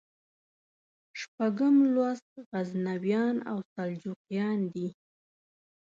شپږم لوست غزنویان او سلجوقیان دي.